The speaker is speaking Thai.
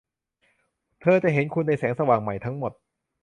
เธอจะเห็นคุณในแสงสว่างใหม่ทั้งหมด